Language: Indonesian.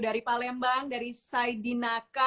dari palembang dari saidinaka